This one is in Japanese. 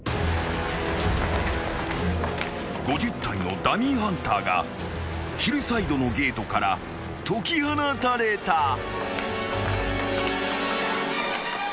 ［５０体のダミーハンターがヒルサイドのゲートから解き放たれた］